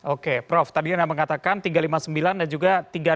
oke prof tadi anda mengatakan tiga ratus lima puluh sembilan dan juga tiga ratus enam puluh